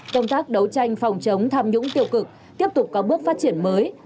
các đấu tranh phòng chống tham nhũng tiêu cực tiếp tục các bước phát triển mới